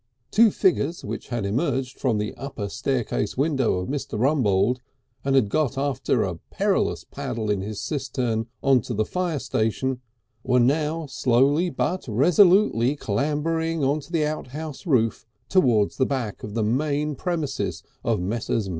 Two figures which had emerged from the upper staircase window of Mr. Rumbold's and had got after a perilous paddle in his cistern, on to the fire station, were now slowly but resolutely clambering up the outhouse roof towards the back of the main premises of Messrs.